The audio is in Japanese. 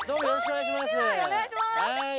お願いします！